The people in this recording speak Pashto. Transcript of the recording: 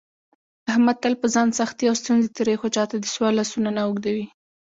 احمد تل په ځان سختې او ستونزې تېروي، خو چاته دسوال لاسونه نه اوږدوي.